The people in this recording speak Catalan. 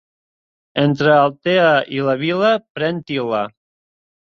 Entre Altea i la Vila, pren til·la.